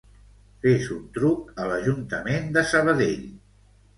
Fes un truc a l'Ajuntament de Sabadell.